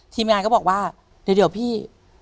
ทีมงานก็บอกว่าเดี๋ยวพี่